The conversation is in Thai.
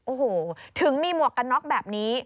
โอ้โหถึงมีหมวกกันน็อกแบบนี้